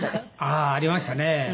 ああありましたね。